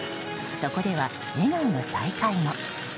そこでは笑顔の再会も。